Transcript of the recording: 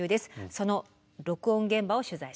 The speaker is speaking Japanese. その録音現場を取材しました。